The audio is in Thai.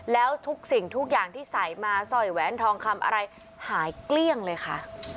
แล้วทุกสิ่งทุกอย่างที่ใส่มาสร้อยแหวนทองคำอะไรหายเกลี้ยงเลยค่ะ